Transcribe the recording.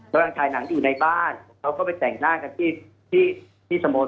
กำลังถ่ายหนังอยู่ในบ้านเขาก็ไปแต่งหน้ากันที่ที่สโมส